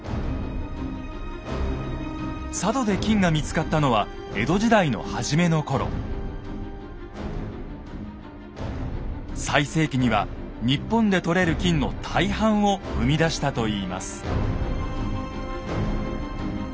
佐渡で金が見つかったのは最盛期には日本で採れる金の大半を生み出したといいます。